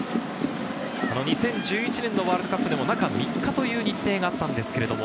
２０１１年のワールドカップでも中３日という日程がありました。